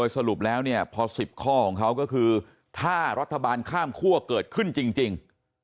สรุปแล้วเนี่ยพอ๑๐ข้อของเขาก็คือถ้ารัฐบาลข้ามคั่วเกิดขึ้นจริง